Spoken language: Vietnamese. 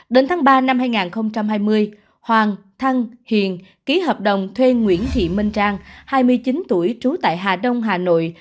đến tháng ba năm hai nghìn hai mươi hoàng thăng hiền ký hợp đồng thuê nguyễn thị minh trang hai mươi chín tuổi trú tại hà đông hà nội